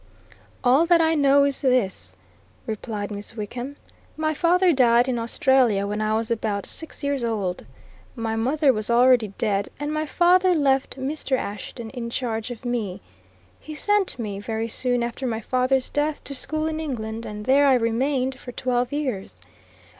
"All that I know is this," replied Miss Wickham. "My father died in Australia, when I was about six years old. My mother was already dead, and my father left me in charge of Mr. Ashton. He sent me, very soon after my father's death, to school in England, and there I remained for twelve years.